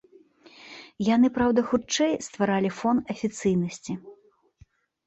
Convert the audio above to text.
Яны, праўда, хутчэй стваралі фон афіцыйнасці.